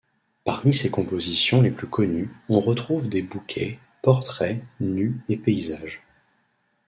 Parmi ses compositions les plus connues on retrouve des bouquets, portraits, nues et paysages.